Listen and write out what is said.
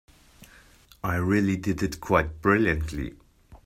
I really did it quite brilliantly.